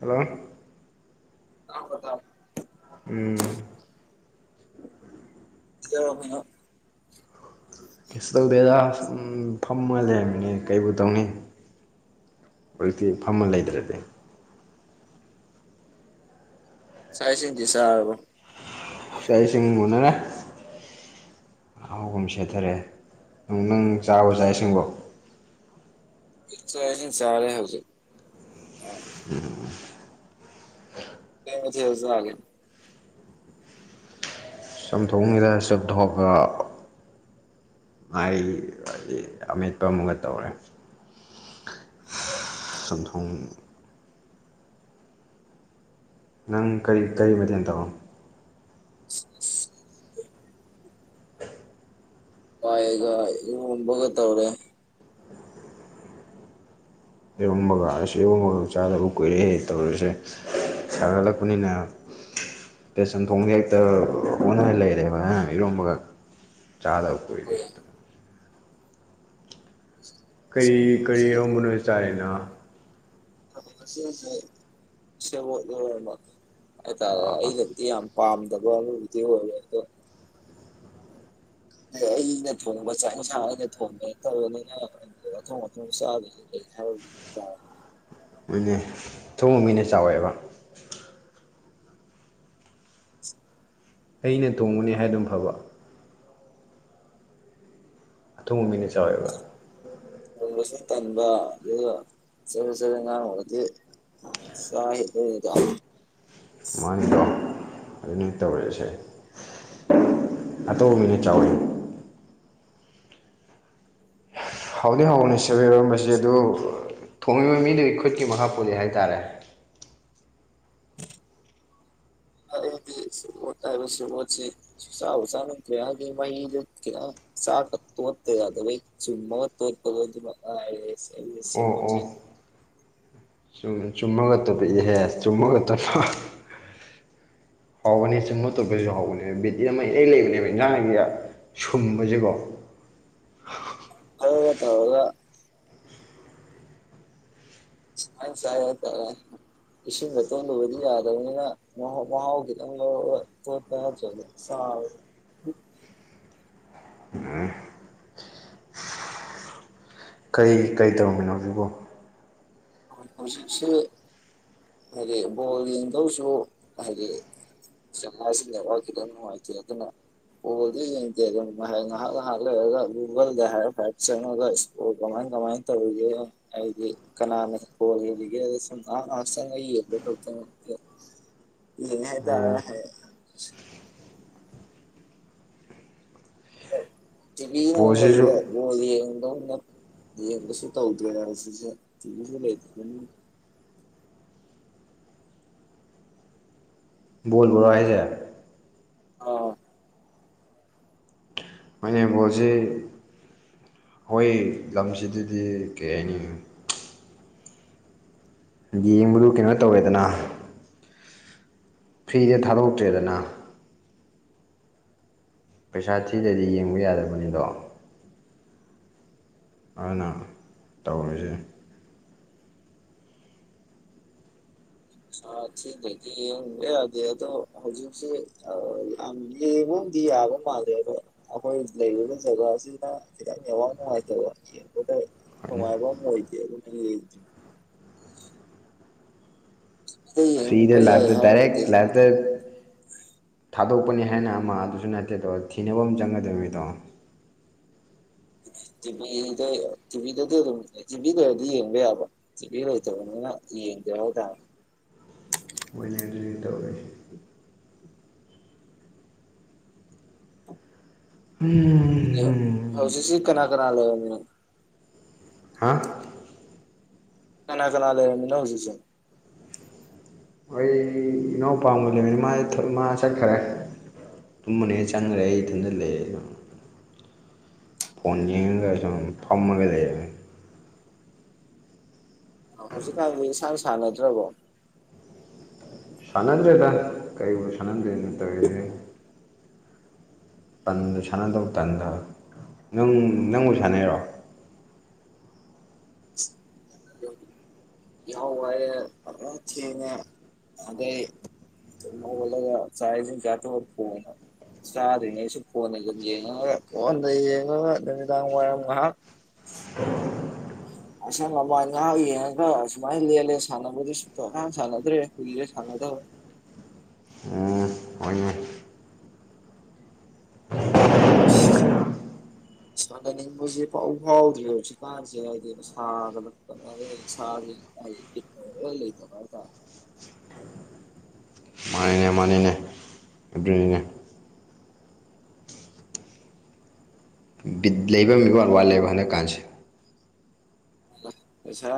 Hello [unintelligible] ꯎꯝ ꯆꯥꯛ ꯆꯔꯥꯕꯣ ꯀꯩꯁꯨ ꯇꯧꯗꯦꯗ ꯐꯝꯃꯒ ꯂꯩꯔꯝꯃꯤꯅꯦ ꯀꯩꯕꯨ ꯇꯧꯅꯤ ꯍꯧꯖꯤꯛꯇꯤ ꯐꯝꯃ ꯂꯩꯇꯔꯗꯤ ꯆꯥꯛ ꯏꯁꯤꯡꯗꯤ ꯆꯔꯕꯣ ꯆꯥꯛ ꯏꯁꯤꯡ ꯎꯅꯔꯦ ꯑꯍꯥꯎꯕꯥ ꯑꯃꯥ ꯁꯦꯊꯔꯦ ꯅꯪ ꯆꯥꯔꯕꯣ ꯆꯥꯛ ꯏꯁꯤꯡ ꯆꯥꯛ ꯏꯁꯤꯡ ꯆꯔꯦ ꯍꯧꯖꯤꯛ ꯎꯝ ꯀꯩ ꯃꯊꯦꯜ ꯆꯥꯔꯒꯦ ꯆꯝꯊꯣꯡꯅꯤꯗ [unintelligible] ꯉꯥꯔꯤ ꯍꯥꯏꯗꯤ ꯑꯃꯦꯠꯄ ꯑꯃꯒ ꯇꯧꯔꯦ ꯆꯝꯊꯣꯡ ꯅꯪ ꯀꯔꯤ ꯀꯔꯤ ꯃꯇꯦꯜ ꯇꯧꯔꯦ ꯍꯥꯥꯋꯥꯏꯒꯥ ꯏꯔꯣꯝꯕꯒꯥ ꯇꯧꯔꯦ ꯏꯔꯣꯝꯕꯒꯥ ꯑꯁ ꯏꯔꯣꯝꯕꯒꯥ ꯆꯥꯗꯕ ꯀꯨꯏꯔꯦ ꯇꯧꯔꯤꯁꯦ ꯁꯅꯥ ꯆꯠꯄꯥꯅꯤꯅꯥ ꯁꯟ ꯊꯣꯡꯗ ꯍꯦꯛꯇ ꯍꯣꯠꯅꯥꯔꯒꯥ ꯂꯩꯔꯦꯕ ꯍꯥ ꯏꯔꯣꯝꯕꯒ ꯆꯥꯗꯕ ꯀꯨꯏꯔꯦ ꯀꯔꯤ ꯀꯔꯤ ꯏꯔꯣꯝꯕꯅꯣ ꯆꯥꯔꯤꯅꯥ ꯉꯥꯁꯤꯁꯦ ꯁꯦꯕꯣꯠ ꯏꯔꯣꯝꯕ ꯍꯥꯏ ꯇꯥꯔꯦ ꯑꯁ ꯑꯩꯅꯥꯗꯤ [unintelligible] ꯄꯥꯝꯗꯕ ꯑꯗꯨꯕꯨꯗꯤ ꯑꯣꯏꯌꯦ ꯑꯗꯣ ꯑꯩꯅ ꯊꯣꯡꯕ ꯆꯥꯛꯟꯁꯥꯡ ꯑꯩꯅ ꯊꯣꯡꯕꯦꯅ ꯇꯧꯕꯅꯤꯅ ꯊꯊꯪꯁ ꯃꯣꯏꯅꯦ ꯊꯣꯡꯕ ꯃꯤꯅꯦ ꯆꯥꯎꯋꯦꯕ ꯑꯩꯅ ꯇꯣꯡꯕꯅꯤ ꯍꯥꯏꯗꯨꯝ ꯐꯕ ꯑꯊꯣꯡꯕ ꯃꯤꯅ ꯆꯥꯎꯋꯦꯕ ꯁꯨ ꯇꯟꯕ ꯑꯗꯨꯒ ꯆꯔꯦ ꯆꯔ ꯉꯥꯡ ꯑꯣꯏꯨꯔꯗꯤ ꯍ ꯃꯥꯏꯗꯣ ꯑꯗꯨꯅ ꯇꯧꯔꯛꯏꯁꯦ ꯑꯇꯣꯞꯄ ꯃꯤꯅ ꯆꯥꯎꯋꯤ꯫ ꯍꯥꯎꯗꯤ ꯍꯥꯎꯅꯤ ꯁꯕꯤꯏꯔꯣꯟꯕꯁꯤ ꯑꯗꯨ ꯊꯣꯡꯉꯤꯕ ꯃꯤꯗꯨꯒꯤ ꯈꯨꯠꯀꯤ ꯃꯈꯥ ꯄꯣꯜꯂꯤ ꯍꯥꯏꯇꯥꯔꯦ꯫ ꯑꯩꯗꯤ ꯁꯦꯕꯣꯠ ꯍꯥꯏꯕ ꯁꯕꯣꯠꯁꯤ ꯁꯨꯡꯆꯕꯨ ꯆꯥꯅꯤꯡꯇꯔꯦ ꯍꯥꯏꯗꯤ ꯃꯍꯤꯗꯨ ꯆꯥꯛꯀ ꯇꯣꯠꯇ ꯌꯥꯗꯕꯩ ꯆꯨꯝꯃꯒ ꯇꯣꯠꯄꯗꯨ ꯑꯗꯨꯃꯉꯥꯏꯔꯦ ꯑꯩꯗꯤ ꯑꯣ ꯁꯦꯕꯣꯠꯁꯤ꯫ ꯑꯣ ꯆꯨꯝ ꯆꯨꯝꯃꯒ [unintelligible] ꯍꯥꯎꯕꯅꯦ ꯆꯨꯨꯝꯃꯒ ꯇꯣꯠꯄꯁꯤꯁꯨ ꯍꯥꯎꯕꯅꯦꯕ ꯕꯣꯠ ꯑꯃ ꯏꯔꯩ ꯂꯩꯕꯅꯦꯕ ꯏꯟꯖꯥꯡꯒꯤ ꯁꯨꯝꯕꯁꯤꯀꯣ꫰꫰ ꯑꯗꯨꯒ ꯇꯧꯔꯒ꯫ [unintelligible] ꯏꯁꯤꯡꯗ ꯇꯣꯂꯨꯕꯗꯤ ꯌꯥꯗꯕꯅꯤꯅ ꯃꯍꯥꯎ ꯈꯤꯇꯪ ꯂꯧꯔ ꯇꯣꯠꯄ ꯅꯠꯇꯔꯗꯤ꯫ ꯁꯥꯕ ꯀꯩ ꯀꯔꯤ ꯇꯧꯔꯝꯃꯤꯅꯣ ꯍꯧꯖꯤꯛꯄꯣ꯫ ꯍꯧꯖꯤꯛꯁꯦ ꯍꯥꯏꯗꯤ ꯕꯣꯜ ꯌꯦꯡꯗꯧꯁꯨ ꯍꯥꯏꯗꯤ ꯖꯒꯁꯤ ꯅꯦꯠꯋꯥꯛ ꯈꯤꯇꯪ ꯅꯨꯡꯉꯥꯏꯇꯦ ꯑꯗꯨꯅ [unintelligible] ꯇꯧꯔꯤꯖꯦ ꯑꯩꯗꯤ ꯀꯅꯥꯅ ꯕꯦꯜ ꯌꯦꯡꯉꯤꯒꯦꯗ ꯁꯨꯝ ꯉꯥꯍꯛ ꯉꯥꯍꯛ ꯆꯪꯉꯥ ꯌꯦꯡꯕ ꯈꯠꯇꯅꯤ ꯑꯗꯨꯗ ꯎꯝ ꯍꯥꯏꯇꯔꯦ ꯑꯣ [unintelligible] ꯇꯤꯕꯤ ꯅꯣꯡꯂꯩꯗ ꯕꯣꯜꯁꯤꯁꯨ ꯕꯣꯜ ꯌꯦꯡꯗꯧꯅ ꯌꯦꯡꯕꯁꯨ ꯇꯧꯗꯔꯦ ꯍꯧꯖꯤꯛꯁꯦ ꯇꯤ ꯕꯤꯁꯨ ꯂꯩꯇꯕꯅꯤꯅ ꯕꯣꯜ ꯕꯨꯔꯣ ꯍꯥꯏꯁꯦ꯫ ꯑ꯫ ꯐꯨꯠꯕꯣꯜꯁꯤ ꯑꯩ ꯂꯝꯁꯤꯗꯗꯤ ꯀꯩ ꯍꯥꯏꯅꯤ꯫ ꯍꯥꯏꯗꯤ ꯌꯦꯡꯕꯗꯨ ꯀꯩꯅꯣ ꯇꯧꯋꯦꯗꯅ꯫ ꯐ꯭ꯔꯤꯗ ꯊꯥꯗꯣꯛꯇ꯭ꯔꯦꯗꯅ꯫ ꯄꯩꯁꯥ ꯊꯤꯗꯗꯤ ꯌꯦꯡꯕ ꯌꯥꯗꯕꯅꯤꯗꯣ꯫ ꯑꯗꯨꯅ ꯇꯧꯔꯤꯁꯦ꯫ [unintelligible] ꯄꯩꯁꯥ ꯊꯤꯗꯔꯗꯤ ꯌꯦꯡꯕ ꯌꯥꯗꯦ ꯑꯗꯣ ꯍꯧꯖꯤꯛꯁꯦ ꯌꯥꯝ ꯌꯦꯡꯕꯕꯨꯗꯤ ꯌꯥꯕ ꯄꯥꯝꯃꯦ ꯑꯗꯣ ꯑꯩꯈꯣꯏ ꯂꯩꯔꯤꯕ ꯖꯒꯁꯤꯅ ꯈꯤꯇꯪ ꯅꯦꯠꯋꯥꯛ ꯅꯨꯡꯉꯥꯏꯇꯕ [unintelligible] ꯍꯣꯏꯅꯦ ꯅꯨꯡꯉꯥꯏꯕ ꯑꯃ ꯑꯣꯏꯗꯦ ꯑꯗꯨꯅ ꯌꯦꯡꯗꯦ꯫ ꯐ꯭ꯔꯤꯗ ꯌꯦꯡꯕ ꯌꯥꯏ ꯂꯥꯛꯇ ꯗꯏꯔꯦꯛ ꯍꯥꯏꯔꯕꯗꯤ ꯂꯥꯏ ꯑꯗ ꯊꯥꯗꯣꯛꯄꯅꯤ ꯍꯥꯏꯅ ꯑꯃ ꯑꯗꯨꯁꯨ ꯅꯠꯇꯦꯗ ꯊꯤꯅꯕ ꯑꯃ ꯆꯪꯒꯗꯣꯏꯅꯤꯗꯣ꯫ ꯇꯤꯚꯤꯗ ꯇꯤꯚꯤꯗꯗꯤ ꯑꯗꯨꯝ ꯇꯤꯚꯤꯗꯔꯗꯤ ꯌꯦꯡꯕ ꯌꯥꯕ꯫ ꯒꯤꯕꯤ ꯁꯨ ꯂꯩꯇꯕꯅꯤꯅ ꯌꯦꯡꯗꯦ ꯍꯥꯏ ꯇꯥꯔꯦ꯫ ꯑꯣꯏꯅ ꯑꯣꯏꯅ ꯑꯗꯨꯡ ꯇꯧꯋꯏ꯫ ꯎꯝ꯫ ꯍꯧꯖꯤꯛꯁꯤ ꯀꯅꯥ ꯀꯅꯥ ꯂꯩꯔꯝꯃꯤꯅꯣ꯫ ꯍꯥꯥ꯫ ꯀꯅꯥ ꯀꯅꯥꯥ ꯂꯩꯔꯝꯃꯤꯅꯣ ꯍꯧꯖꯤꯛꯁꯦ꯫ ꯑꯩ ꯏꯅꯥꯎꯄꯥ ꯑꯃꯒ ꯂꯩꯃꯤꯟꯅꯩ ꯃꯥꯗꯤ ꯃꯥ ꯆꯠꯈ꯭ꯔꯦ꯫ ꯇꯨꯝꯃꯨꯅꯤ ꯆꯪꯈ꯭ꯔꯦ ꯑꯩ ꯏꯊꯟꯗ ꯂꯩꯌꯦ꯫ ꯐꯣꯟ ꯌꯦꯉꯒ ꯁꯨꯝ ꯊꯝꯃꯒ ꯂꯩ꯫ ꯑꯣ ꯍꯧꯖꯤꯛꯀꯥꯟꯗꯤ ꯏꯁꯟ ꯁꯥꯟꯅꯗ꯭ꯔꯕꯣ꯫ ꯁꯥꯟꯅꯗ꯭ꯔꯦꯗ ꯀꯔꯤꯕꯨ ꯁꯥꯟꯅꯗꯣꯏꯅꯣ ꯇꯧꯔꯤꯁꯦ꯫ ꯇꯟꯗ ꯁꯥꯟꯅꯗꯧ ꯇꯟꯗ ꯅꯪ ꯅꯪꯕꯨ ꯁꯥꯟꯅꯩꯔꯣ꯫ [inaudible] ꯌꯥꯍꯧꯕꯩ ꯑꯈꯣꯏ ꯆꯦꯅꯦ ꯑꯗꯩ ꯇꯨꯝ ꯍꯧꯒꯠꯂꯒ ꯆꯥꯛ ꯏꯁꯤꯡ ꯆꯊꯣꯛꯑ꯫ [unintelligible] ꯁꯥꯗ ꯐꯉ ꯐꯟꯉꯃꯤꯗꯥꯥꯡꯥ ꯎ ꯎꯝ ꯑꯁ ꯂꯃꯅꯤꯥꯎ ꯌꯦꯡꯒꯁꯨꯃꯥꯏ ꯂꯤ ꯁꯥꯟꯅꯕꯨ ꯁꯥꯟ ꯔꯦ ꯐꯦ ꯁꯅ ꯎꯝ ꯍꯣꯏꯅꯦ ꯁꯃꯥꯟꯅꯅꯤ ꯃꯣꯏꯁꯦ ꯄꯥꯎ ꯐꯥꯎꯗ꯭ꯔꯤꯦ ꯍꯧꯖꯤꯛꯀꯥꯟꯁꯦ ꯍꯥꯏꯗꯤ ꯁꯥꯒꯂꯛꯄ ꯁꯥꯒꯤ ꯂꯩ ꯇꯕꯥꯏ ꯇ ꯃꯥꯅꯤꯅꯦ ꯃꯥꯅꯤꯅꯦ ꯑꯗꯨ ꯂꯩꯕ ꯃꯤꯕꯨ ꯋꯥꯠ ꯂꯩꯦꯕ ꯍꯥꯏꯅꯛ ꯀꯥꯟꯁꯦ ꯍ ꯄꯩꯁꯥ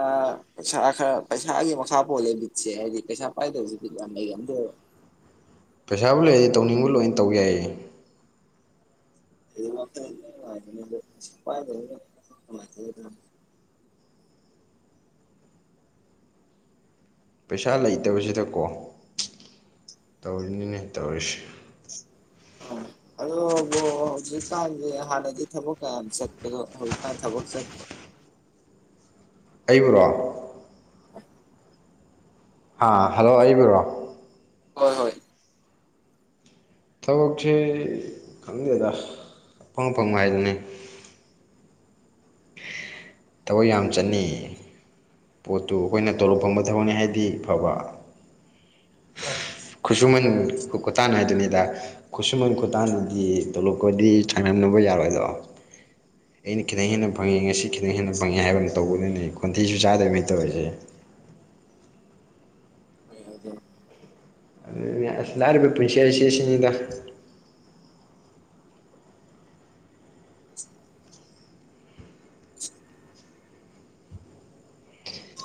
ꯄꯩꯁꯥ ꯈꯔ ꯄꯩꯁꯥꯒꯤ ꯃꯈꯥ ꯄꯣꯜꯜꯂꯤꯦ ꯃꯤꯠꯁꯦ ꯍꯥꯏꯗꯤ ꯄꯩꯁꯥ ꯄꯥꯏꯗꯕꯁꯤꯗꯤ ꯌꯥꯝ ꯂꯩ ꯑꯗꯣ ꯄꯩꯁꯥꯕꯨ ꯂꯩꯔꯗꯤ ꯇꯧꯅꯤꯡꯕ ꯂꯣꯏꯅ ꯇꯧ ꯌꯥꯏꯌꯦ ꯃꯥ ꯐ ꯄꯩꯁꯥ ꯂꯩꯇꯕꯁꯤꯗꯀꯣ ꯇꯧꯔꯤꯅꯤꯅꯦ ꯇꯧꯔꯤꯁꯦ ꯍ ꯑꯗꯨꯣꯕꯨ ꯍꯧꯖꯤꯛꯀꯥꯟꯒꯤ ꯍꯥꯟꯅꯗꯤ ꯊꯕꯛ ꯀꯌꯥꯝ ꯆꯠꯄꯗꯣ ꯍꯧꯖꯤꯛꯀꯥꯟ ꯊꯕꯛ ꯆꯠꯇ꯭ꯔꯣ ꯑꯩꯕꯨꯔꯣ ꯍꯜꯂꯣ ꯑꯩꯕꯨꯔꯣ ꯍꯣꯏ ꯍꯣꯏ ꯊꯕꯛꯁꯦ ꯈꯪꯗꯦꯗ ꯑꯐꯪ ꯑꯐꯪꯕ ꯍꯥꯏꯗꯨꯅꯤ ꯊꯕꯛ ꯌꯥꯝ ꯆꯠꯅꯤ ꯄꯣꯠꯇꯨ ꯑꯩꯈꯣꯏꯅ ꯇꯧꯔꯣ ꯐꯪꯕ ꯊꯕꯅꯤ ꯍꯥꯏꯗꯤ ꯐꯕ [unintelligible] ꯈꯨꯠꯁꯨꯃꯟ ꯈꯨꯇꯥꯟ ꯍꯥꯏꯗꯨꯅꯤꯗ ꯈꯨꯠꯁꯨꯃꯟ ꯈꯨꯇꯥꯅꯗꯤ ꯇꯣꯂꯛꯄꯗꯤ ꯁꯥꯡꯅꯝꯅꯕ ꯌꯥꯔꯣꯏꯗꯣ ꯑꯩꯅ ꯈꯤꯇꯪ ꯍꯦꯟꯅ ꯐꯪꯉꯦ ꯉꯁꯤ ꯈꯤꯇꯪ ꯍꯦꯟꯅ ꯐꯪꯉꯦ ꯍꯥꯏꯕꯅ ꯇꯧꯕꯗꯨꯅꯤ ꯈꯣꯟꯊꯤꯁꯨ ꯆꯥꯗꯕꯅꯤ ꯇꯧꯔꯤꯁꯦ ꯎ ꯂꯥꯛꯔꯤꯕ ꯄꯨꯟꯁꯤ ꯑꯁꯤ ꯑꯁꯤꯅꯤꯗ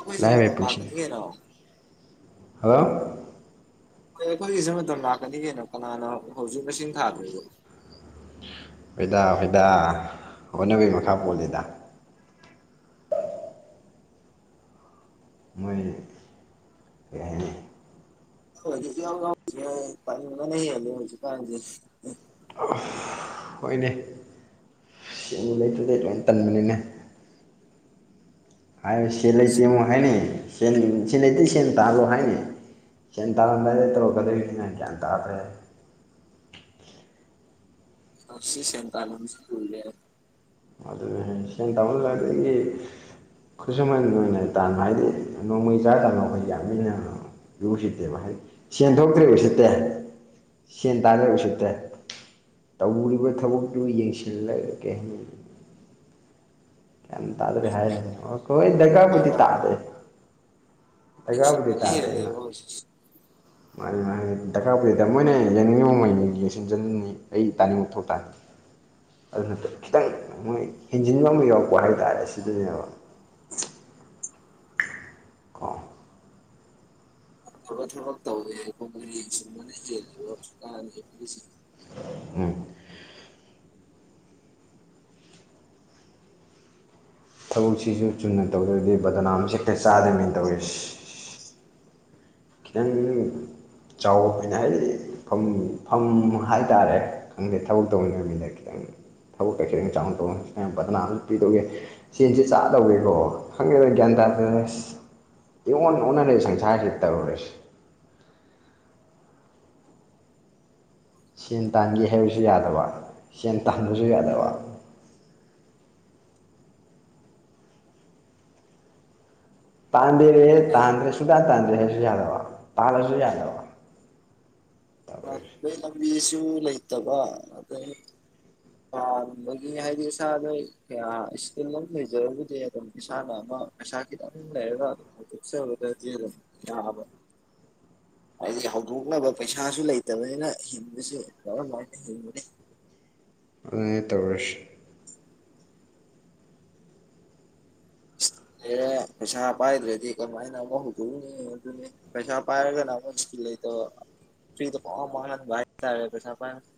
ꯣꯏ ꯅ ꯂꯥꯏꯔꯕꯩ ꯄꯨꯟꯁꯤ ꯃꯥꯔꯇ ꯊꯒꯦꯅꯣ ꯍꯜꯂꯣ ꯍꯣꯏ ꯑꯩꯈꯣꯏꯒꯤꯁꯦ ꯃꯇꯝ ꯂꯥꯛꯀꯅꯤ ꯀꯅꯣ ꯀꯅꯥꯅꯣ ꯍꯧꯖꯤꯛ ꯃꯁꯤꯡ ꯊꯥꯗ꯭ꯔꯤꯗꯣ ꯍꯣꯏꯗ ꯍꯣꯏꯗꯥ ꯍꯣꯠꯅꯕꯒꯤ ꯃꯈꯥ ꯄꯣꯜꯂꯤꯗ ꯃꯣꯏ ꯀꯦ ꯍꯧꯖꯤ ꯍꯥꯏ ꯍꯧ ꯀꯦ ꯍꯣꯏꯅꯦ ꯆꯦꯡꯉ ꯂꯩꯇꯗꯩ ꯂꯣꯏ ꯇꯟꯕꯅꯤꯅꯦ ꯍꯥꯏ ꯁꯦꯜ ꯂꯩꯇꯦꯉꯣ ꯍꯥꯏꯅꯩ ꯁꯦꯟ ꯁꯦꯟ ꯂꯩꯇ ꯁꯦꯟ ꯇꯥꯜꯂꯣ ꯍꯥꯏꯅꯦꯩ ꯆꯟ ꯇꯥꯟꯝꯦ ꯇ꯭ꯔꯣꯒꯗꯅꯦꯇ ꯍꯥꯈ꯭ꯔꯦ ꯑꯁꯤ ꯁꯟꯇꯅꯟꯁ ꯄꯨꯜꯂꯦ ꯑꯗꯨꯅ ꯁꯦꯡ ꯇꯧꯍꯜꯂ ꯑꯗꯨ ꯑꯩꯒꯤ ꯈꯨꯠꯁꯨꯃꯟ ꯑꯣꯏꯅ ꯇꯥꯅ ꯍꯥꯏꯗꯤ ꯅꯣꯡꯃꯩ ꯆꯥꯗꯅ ꯑꯩꯈꯣꯏ ꯌꯥꯃꯤꯟꯅ ꯂꯨꯁꯤꯠꯇꯦꯕ ꯍꯥꯏꯗꯤ ꯁꯦꯟ ꯊꯣꯛꯇ꯭ꯔꯤꯕꯕꯁꯤꯠꯇꯦ ꯁꯦꯟ ꯇꯥꯅꯔꯤꯕ ꯆꯠꯇꯦ ꯇꯧꯔꯤꯕ ꯊꯕꯛꯇꯨ ꯌꯦꯡꯁꯤꯜꯂ ꯀꯦ ꯍꯥꯏ ꯀꯩꯝ ꯇꯥꯗ꯭ꯔꯦ ꯍꯥꯏ ꯑꯣꯈꯣꯏ ꯗꯦꯀꯥꯕꯨꯗꯤ ꯇꯥꯗ꯭ꯔꯦ ꯑꯦꯁꯤꯄꯥꯅꯤ ꯍ ꯂꯩ ꯃꯥꯒꯤ ꯃꯥ ꯗꯔꯀꯥꯔꯕꯨꯔꯤꯗ ꯃꯣꯏꯅ ꯌꯦꯡꯅꯤꯡꯉꯤꯕꯃꯩꯅꯤ ꯌꯦꯡꯁꯤꯟꯖꯟꯅꯤꯡꯉꯤ ꯑꯩ ꯇꯥꯅꯤꯡꯕ ꯊꯣꯛ ꯇꯥꯦ [unintelligible] ꯑꯗꯨ ꯅꯠꯇ ꯈꯤꯇꯪ ꯃꯣꯏ ꯍꯦꯟꯖꯤꯟꯕ ꯑꯃ ꯌꯥꯎꯔꯛꯄ ꯍꯥꯏꯇꯥꯔꯦ ꯁꯤꯗꯅꯦꯕ ꯀꯣ ꯊꯕꯛ ꯊꯕꯛ ꯇꯧꯋꯦ ꯑꯩꯈꯣ ꯃ ꯁꯨꯝꯕꯅ ꯌꯦꯜꯂꯤꯕꯁꯨ ꯀꯥꯅꯤ ꯎꯝ ꯊꯕꯛꯁꯤꯁꯨ ꯆꯨ ꯝꯅ ꯇꯧꯗ꯭ꯔꯗꯤ ꯕꯗꯅꯥꯝꯁꯦ ꯍꯦꯛꯇ ꯆꯥꯗꯣꯏꯅꯤ ꯇꯧꯔꯤꯁꯦ ꯈꯤꯇꯪ ꯆꯥꯎꯕ ꯃꯤꯅ ꯍꯥꯏꯗꯤ ꯐꯝ ꯐꯝ ꯍꯥꯏꯇꯥꯔꯦ ꯈꯪꯗꯦ ꯊꯕꯛ ꯇꯧ ꯅꯨꯃꯤꯠꯅ ꯈꯤꯇꯪ ꯊꯕꯛ [unintelligible] ꯕꯗꯅꯥꯝꯁꯨ ꯄꯤꯗꯧꯒꯤ ꯆꯦꯟꯁꯤ ꯆꯥꯗꯧꯋꯦꯀꯣ ꯈꯪꯗꯦꯗ ꯒ꯭ꯌꯥꯟ ꯇꯥꯗꯦꯗ ꯏꯑꯣꯟ ꯑꯣꯟꯅꯔꯦ ꯁꯪꯁꯥꯔꯁꯤꯗ ꯇꯧꯔꯤꯁꯦ ꯁꯦꯟ ꯇꯥꯟꯒꯦ ꯍꯥꯏꯕꯁꯨ ꯌꯥꯗꯕ ꯁꯦꯟ ꯇꯥꯟꯕꯁꯨ ꯌꯥꯗꯕ ꯇꯥꯟꯗꯦꯔꯦ ꯇꯥꯟꯗ꯭ꯔꯦ ꯁꯨꯡꯇꯥꯟ ꯇꯥꯟꯗ꯭ꯔꯦ ꯍꯥꯏꯁꯨ ꯌꯥꯗꯕ ꯇꯥꯜꯂꯁꯨ ꯌꯥꯗꯕ ꯇꯧꯔꯤꯁꯦ [unintelligible] ꯄꯥꯝꯕꯒꯤ ꯍꯥꯏꯗꯤ ꯏꯁꯥꯗ ꯀꯌꯥ ꯏꯁꯀꯤꯜ ꯑꯃ ꯂꯩꯖꯔꯕꯨꯗꯤ ꯑꯗꯨꯝ ꯏꯁꯥꯅ ꯑꯃ ꯄꯩꯁꯥ ꯈꯤꯗꯪ ꯂꯩꯔꯒ [unintelligible] ꯍꯥꯏꯗꯤ ꯍꯧꯗꯣꯛꯅꯕ ꯄꯩꯁꯥꯁꯨ ꯂꯩꯇꯕꯅꯤꯅ ꯍꯤꯡꯕꯁꯤ ꯀꯔꯝ ꯍꯥꯏꯅ ꯍꯤꯡꯒꯅꯤ ꯑꯗꯨꯅꯦ ꯇꯧꯔꯤꯁꯤ [unintelligible] ꯄꯩꯁꯥ ꯄꯥꯏꯗ꯭ꯔꯗꯤ ꯀꯃꯥꯏꯅ ꯑꯃ ꯍꯧꯗꯣꯛꯎꯅꯤ ꯑꯗꯨꯅꯤ ꯄꯩꯁꯥ ꯄꯥꯏꯔꯒꯅ ꯑꯃꯨꯛ ꯏꯁꯀꯤꯜ ꯂꯩꯇꯕ ꯐ꯭ꯔꯤꯗ ꯄꯪꯃꯥꯡ ꯃꯥꯡꯍꯟꯕ ꯍꯥꯏꯇꯥꯔꯦ ꯄꯩꯁꯥ ꯄꯥꯏ ꯃꯈꯩ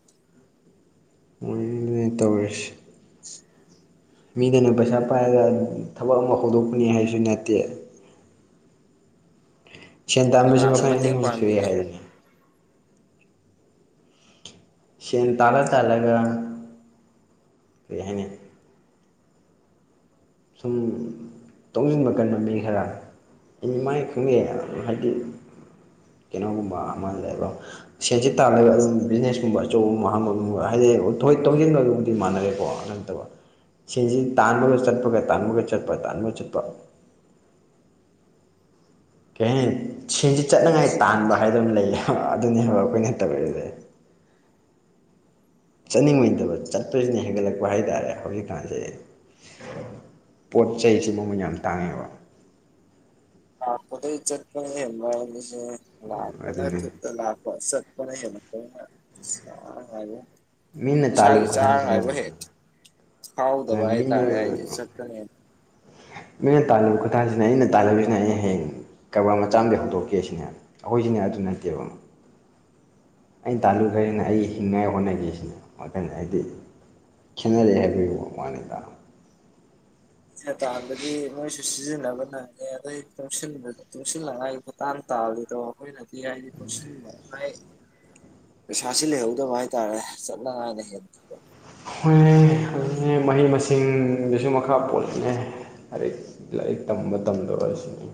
[unintelligible] ꯇꯧꯔꯤꯁꯤ [unintelligible] ꯃꯤꯗꯧꯅ ꯄꯩꯁꯥ ꯄꯥꯏꯔꯒ ꯊꯕꯛ ꯑꯃ ꯍꯧꯗꯣꯛꯀꯅꯤ ꯍꯥꯏꯕꯁꯨ ꯅꯠꯇꯦ ꯁꯦꯟ ꯇꯥꯟꯕꯁꯨ ꯀꯅꯥꯅ ꯃꯈꯜ ꯑꯅꯤ ꯃꯇꯦꯡ ꯑꯍꯨꯝ ꯁꯨꯏ ꯄꯥꯡꯕꯤꯅꯤ ꯍꯥꯏꯗꯨꯅꯤ ꯁꯦꯟ ꯇꯥꯜꯂ ꯇꯥꯜꯂꯒ ꯀꯔꯤ ꯍꯥꯏꯅꯤ ꯁꯨꯝ ꯇꯨꯡꯁꯤꯟꯕ ꯀꯟꯕ ꯃꯤ ꯈꯔ ꯅꯤ ꯃꯥꯏ ꯈꯪꯅꯩꯑꯦ ꯍꯥꯏꯗꯤ ꯀꯩꯅꯣꯒꯨꯝꯕ ꯑꯃ ꯂꯩꯕ ꯁꯦꯟꯁꯤ ꯇꯥꯜꯂꯒ ꯑꯗꯨꯝ ꯕꯤꯖꯤꯅꯦꯁꯀꯨꯝꯕ ꯑꯆꯧꯕ ꯑꯃ ꯍꯥꯡꯕꯒꯨꯝꯕ ꯍꯥꯏꯗꯤ ꯇꯣꯡꯁꯤꯟꯕꯗꯨꯕꯨꯗꯤ ꯃꯥꯟꯅꯔꯦꯀꯣ ꯑꯗꯨ ꯁꯤꯟꯁꯤ ꯇꯥꯟꯕꯒ ꯆꯠꯄꯒ ꯇꯥꯟꯕꯒ ꯆꯠꯄ ꯇꯥꯟꯕꯒ ꯆꯠꯄ ꯀꯩ ꯍꯥꯏꯅꯤ ꯁꯦꯟꯁꯤ ꯆꯠꯅꯉꯥꯏ ꯇꯥꯟꯕ ꯍꯥꯏꯗꯨꯝ ꯂꯩꯌꯦ ꯍꯥꯏꯕ ꯑꯗꯨꯅꯦ ꯍꯥꯏꯕ ꯑꯩꯈꯣꯏꯅ ꯇꯧꯔꯤꯁꯤ ꯆꯠꯅꯤꯡꯕꯩ ꯅꯠꯇꯕ ꯆꯠꯄꯁꯤꯅ ꯍꯦꯟꯒꯠꯂꯛꯄ ꯍꯥꯏꯇꯥꯔꯦ ꯍꯧꯖꯤꯛꯀꯥꯟꯁꯤ ꯄꯣꯠ ꯆꯩꯁꯤ ꯃꯃꯜ ꯌꯥꯝ ꯇꯥꯡꯉꯦꯕ ꯂꯥꯛꯄꯗꯩ ꯆꯠꯄꯅ ꯑꯗꯨꯅ [unintelligible] [unintelligible] ꯃꯤꯅ ꯇꯥꯜꯂꯤꯕ ꯏꯁꯥꯒꯤ ꯆꯥꯅꯉꯥꯏ ꯈꯨꯊꯥꯡꯁꯤꯅ ꯕꯧ ꯍꯦꯛ ꯐꯥꯎꯗꯕ ꯃꯤꯅ ꯍꯥꯏꯇꯥꯔꯦ ꯍꯥꯏꯗꯤ ꯆꯠꯄꯅ ꯍꯦꯟ [unintelligible] ꯈꯨꯠꯇꯥꯟꯁꯤꯅ ꯑꯩꯅ ꯇꯥꯟꯁꯤꯅ ꯑꯩꯩꯅ ꯍꯌꯦꯡ ꯀꯔꯕꯥꯔ ꯃꯆꯥ ꯑꯃꯗꯩ ꯍꯧꯗꯣꯛꯀꯦ ꯁꯤꯅꯦ ꯑꯩꯈꯣꯏꯁꯤꯅꯦ ꯑꯗꯨ ꯅꯠꯇꯦꯕ ꯑꯩꯅ ꯇꯥꯜꯂꯨꯈ꯭ꯔꯁꯤꯅ ꯑꯩ ꯍꯤꯡꯉꯥꯏ ꯍꯣꯠꯅꯒꯦꯁꯤꯅꯦ ꯋꯥꯈꯜꯁꯦ ꯍꯥꯏꯗꯤ ꯈꯦꯠꯅꯔꯦ ꯍꯥꯏꯕꯒꯤ ꯋꯥꯅꯤꯗ ꯇꯥꯟꯕꯗꯤ ꯃꯣꯏꯁꯨ ꯁꯤꯖꯤꯟꯅꯕ ꯅꯪꯉꯦ ꯑꯗꯩ ꯇꯨꯡꯁꯤꯟꯕ ꯇꯨꯡꯁꯤꯜꯅꯉꯥꯏ ꯇꯥꯟ ꯇꯥꯜꯂꯤꯗꯣ ꯑꯩꯈꯣꯏꯅꯗꯤ ꯍꯥꯏꯗꯤ ꯇꯨꯡꯁꯤꯟꯕ ꯃꯥꯏ ꯄꯩꯁꯥꯁꯤ ꯂꯩꯍꯧꯗꯕ ꯍꯥꯏꯇꯥꯔꯦ ꯆꯠꯅꯉꯥꯏꯅ ꯍꯦꯟꯈꯤꯕ ꯍꯣꯏ ꯑꯗꯨꯅꯅꯦ ꯑꯗꯨꯅꯦ ꯃꯍꯩ ꯃꯁꯤꯡꯗꯨꯁꯨ ꯃꯈꯥ ꯄꯣꯟꯂꯝꯃꯦ ꯂꯥꯏꯔꯤꯛ ꯂꯥꯏꯔꯤꯛ ꯇꯝꯕ ꯇꯝꯗꯕ ꯁꯤꯅꯤ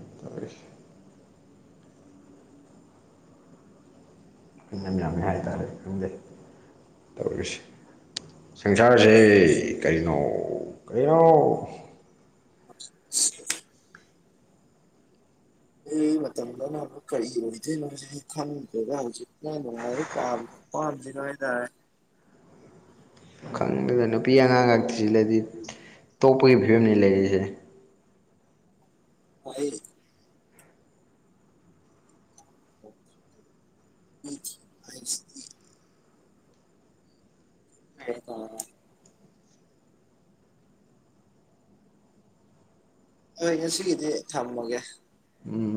[unintelligible] ꯌꯥꯝꯅꯤ ꯍꯥꯏꯇꯥꯔꯦ ꯈꯪꯗꯦ ꯇꯧꯔꯤꯁꯤ ꯁꯪꯁꯥꯔꯁꯦ ꯀꯧꯅꯣ ꯀꯩꯅꯣ [unintelligible] ꯑꯩ ꯃꯇꯝꯗꯅ ꯑꯃꯨꯛ ꯀꯔꯤ ꯑꯣꯏꯗꯣꯏꯅꯣꯁꯦ ꯑꯩ ꯈꯪꯗꯦꯗ ꯍꯧꯖꯤꯛꯀꯥꯟ ꯅꯨꯡꯉꯥꯏꯕ ꯄꯥꯝꯃꯤꯁꯦ ꯄꯥꯝꯖꯤꯒ ꯍꯥꯏꯇꯥꯔꯦ ꯈꯪꯗꯦꯗ ꯅꯨꯄꯤ ꯑꯉꯥꯡꯒ ꯊꯤꯁꯤꯜꯂꯗꯤ ꯇꯣꯛꯄꯒꯤ ꯐꯤꯕꯝꯅꯤ ꯂꯩꯔꯤꯁꯦ [unintelligible] ꯑꯩ [unintelligible] [unintelligible] ꯍꯣꯏ ꯉꯁꯤꯒꯤꯗꯤ ꯊꯝꯃꯒꯦ ꯎꯝ ꯎꯝ